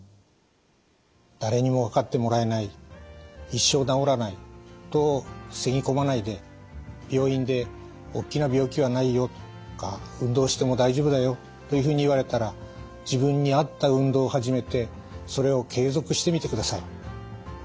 一生治らないとふさぎ込まないで病院で「おっきな病気はないよ」とか「運動しても大丈夫だよ」というふうに言われたら自分に合った運動を始めてそれを継続してみてください。